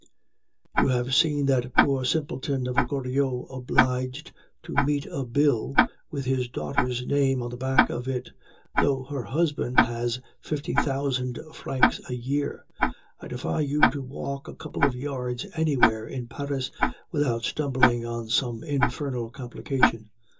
You have seen that poor simpleton of a Goriot obliged to meet a bill with his daughter's name at the back of it, though her husband has fifty thousand francs a year. I defy you to walk a couple of yards anywhere in Paris without stumbling on some infernal complication.